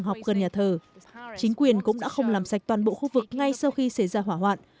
học gần nhà thờ chính quyền cũng đã không làm sạch toàn bộ khu vực ngay sau khi xảy ra hỏa hoạn